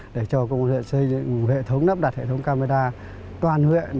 để cho công an huyện xây dựng hệ thống nắp đặt hệ thống camera toàn huyện